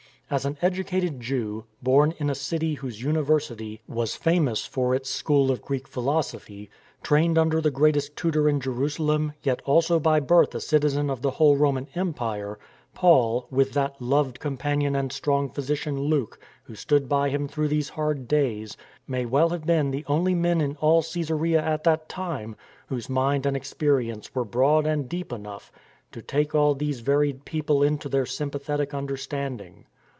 As an educated Jew, born in a city whose university was famous for «I APPEAL TO C^SAR!" 309 its school of Greek philosophy, trained under the greatest tutor in Jerusalem, yet also by birth a citizen of the whole Roman Empire, Paul, with that loved companion and strong physician Luke who stood by him through these hard days, may well have been the only men in all Csesarea at that time whose mind and experience were broad and deep enough to take all these varied people into their sympathetic understand ing.